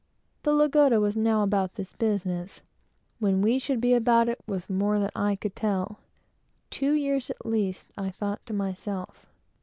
The Lagoda was now about this business. When we should be about it, was more than I could tell; two years, at least, I thought to myself.